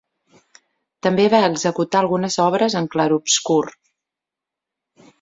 També va executar algunes obres en clarobscur.